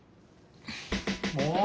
もう！